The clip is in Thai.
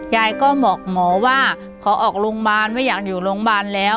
ยายก็บอกหมอว่าขอออกโรงพยาบาลไม่อยากอยู่โรงพยาบาลแล้ว